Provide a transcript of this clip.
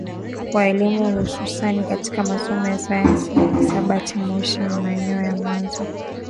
wa elimu hususani katika masomo ya sayansi na hisabati Moshi ni maeneo ya mwanzo